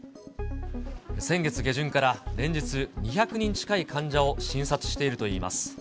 先月下旬から、連日２００人近い患者を診察しているといいます。